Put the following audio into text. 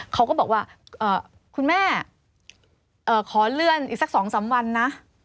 เขาก็บอกว่าคุณแม่ขอเลื่อนอีกสัก๒๓วันนะ